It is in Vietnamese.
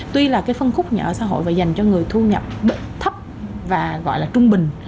tuy là cái phân khúc nhà ở xã hội phải dành cho người thu nhập thấp và gọi là trung bình